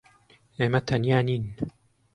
ئێمە تەنیا نین.